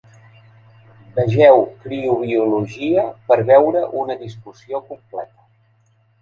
Vegeu criobiologia per veure una discussió completa.